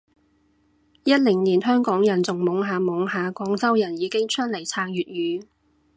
一零年香港人仲懵下懵下，廣州人已經出嚟撐粵語